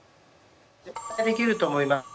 絶対できると思います。